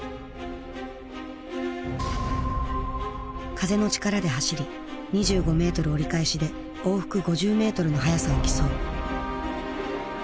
風の力で走り２５メートル折り返しで往復５０メートルの速さを競う。